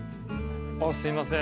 あっすいません。